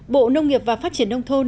bộ nông nghiệp và phát triển nông thôn